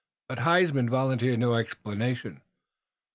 But Huysman volunteered no explanation.